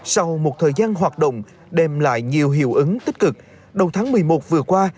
sau một thời gian hoạt động đem lại nhiều hiệu ứng tích cực đầu tháng một mươi một vừa qua